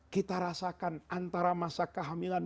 kita rasakan antara masa kehamilan